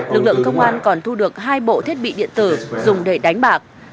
lực lượng công an còn thu được hai bộ thiết bị điện tử dùng để đánh bạc